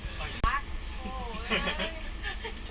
ส่วนข้อมีการหรือเปล่า